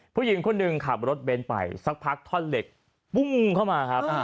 ผู้หญิงคนหนึ่งขับรถเบนท์ไปสักพักท่อนเหล็กปุ้งเข้ามาครับ